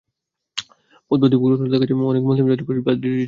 বুধবার দিবাগত রাতে দেখা যায়, অনেক মুসল্লি যাত্রীবাহী বাস রিজার্ভ করে এসেছেন।